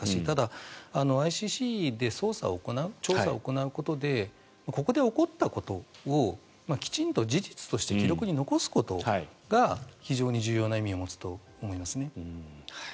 ただ、ＩＣＣで捜査を行う調査を行うことでここで起こったことをきちんと事実として記録に残すことが非常に重要な意味を持つと思いますね。